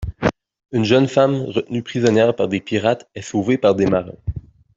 Une jeune femme, retenue prisonnière par des pirates, est sauvée par des marins.